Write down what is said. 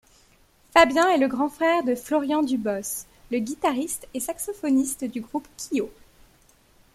Fabien est le grand-frère de Florian Dubos, le guitariste et saxophoniste du groupe Kyo.